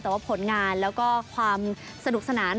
แต่ว่าผลงานแล้วก็ความสนุกสนาน